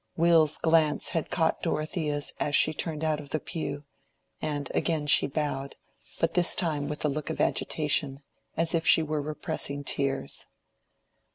Will's glance had caught Dorothea's as she turned out of the pew, and again she bowed, but this time with a look of agitation, as if she were repressing tears.